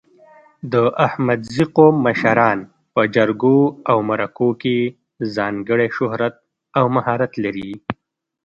د احمدزي قوم مشران په جرګو او مرکو کې ځانګړی شهرت او مهارت لري.